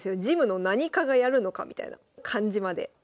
事務の何課がやるのかみたいな感じまで。